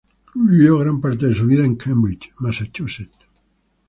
Vivió gran parte de su vida en Cambridge, Massachusetts.